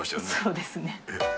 そうですね。